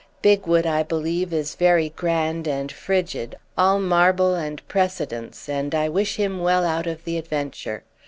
Bigwood, I believe, is very grand and frigid, all marble and precedence, and I wish him well out of the adventure.